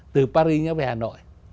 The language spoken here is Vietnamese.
từ paris nhớ về hà nội